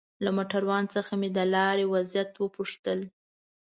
له موټروان څخه مې د لارې وضعيت وپوښتل.